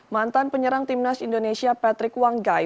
mantan penyerang timnas indonesia patrick wanggai